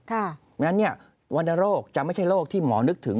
เพราะฉะนั้นวรรณโรคจะไม่ใช่โรคที่หมอนึกถึง